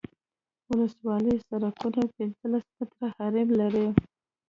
ولسوالي سرکونه پنځلس متره حریم لري